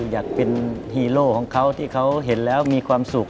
อยากเป็นฮีโร่ของเขาที่เขาเห็นแล้วมีความสุข